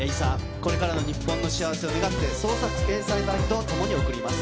これからの日本の幸せを願って、創作エイサー隊と共に送ります。